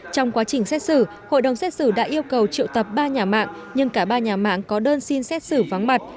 trong quá trình xét xử hội đồng xét xử đã yêu cầu triệu tập ba nhà mạng nhưng cả ba nhà mạng có đơn xin xét xử vắng mặt